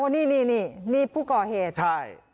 นี่นี่ผู้ก่อเหตุใช่